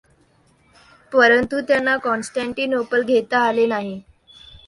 परंतु त्यांना कॉन्स्टेन्टिनोपल घेता आले नाही.